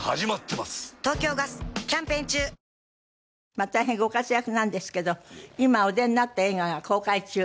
まあ大変ご活躍なんですけど今お出になった映画が公開中。